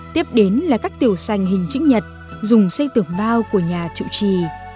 tiếp đến là các tiểu sành hình chữ nhật dùng xây tường bao của nhà trụ trì